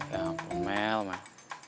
ya ampun mel